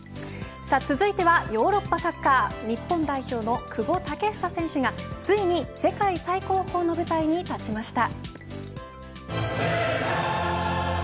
続いてはヨーロッパサッカー日本代表の久保建英選手がついに世界最高峰の舞台に立ちました。